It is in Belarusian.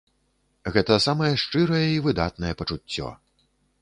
Гэта самае шчырае і выдатнае пачуццё.